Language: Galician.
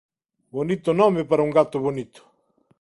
Bonito nome para un gato bonito.